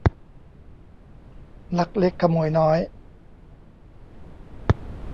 ลักเล็กขโมยน้อย